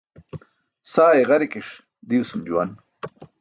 Saa i̇ġarikiṣ diwasum juwan.